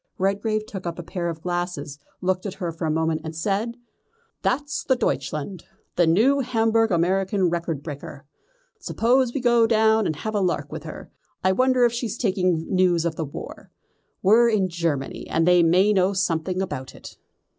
Redgrave took up a pair of glasses, looked at her for a moment and said: "That's the Deutschland, the new Hamburg American record breaker. Suppose we go down and have a lark with her. I wonder if she's taking news of the war. We're in with Germany, and they may know something about it."